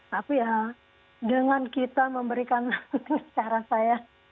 tapi ya dengan kita memberikan cara saya